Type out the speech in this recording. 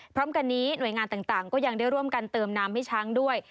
พร้อมกันนี้หน่วยงานต่างก็ยังได้ร่วมกันเติมน้ำให้ช้างด้วย